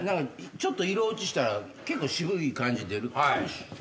ちょっと色落ちしたら結構渋い感じ出るかもしれん。